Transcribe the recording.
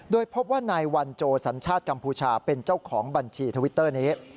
โดยพบว่านายวันโจสัญชาติกัมพูชาเป็นเจ้าของบัญชีทวิตเตอร์นี้